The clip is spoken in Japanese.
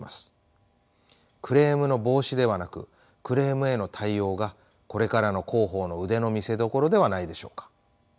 クレームの防止ではなくクレームへの対応がこれからの広報の腕の見せどころではないでしょうか。